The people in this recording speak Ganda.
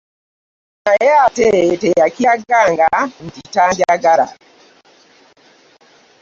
Naye ate teyakiraganga nti tanjagala.